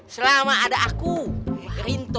selama ada aku rinto